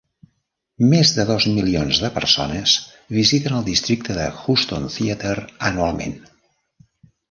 Més de dos milions de persones visiten el districte de Houston Theater anualment.